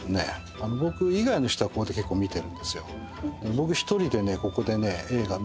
僕以外の人はここで結構見てるんですよ。